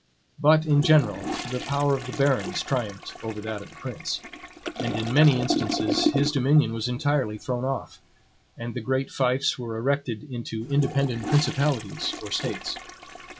But in general, the power of the barons triumphed over that of the prince; and in many instances his dominion was entirely thrown off, and the great fiefs were erected into independent principalities or States.